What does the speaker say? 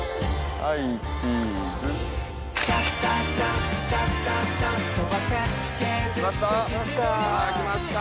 はい来ました。